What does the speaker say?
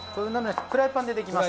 フライパンでできます。